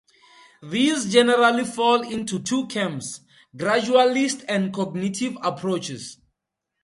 These generally fall into two camps: gradualist and cognitive approaches.